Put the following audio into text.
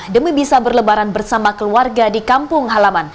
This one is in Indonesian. demi bisa berlebaran bersama keluarga di kampung halaman